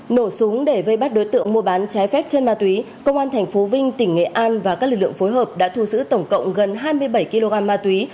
nổ súng để vây bắt đối tượng mua bán trái phép chân ma túy công an tp vinh tỉnh nghệ an và các lực lượng phối hợp đã thu giữ tổng cộng gần hai mươi bảy kg ma túy